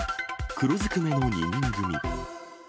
黒ずくめの２人組。